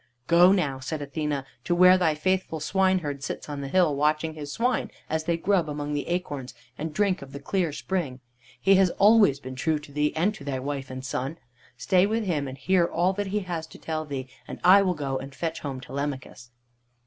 "Go now," said Athene, "to where thy faithful swineherd sits on the hill, watching his swine as they grub among the acorns and drink of the clear spring. He has always been true to thee and to thy wife and son. Stay with him and hear all that he has to tell, and I will go and fetch home Telemachus."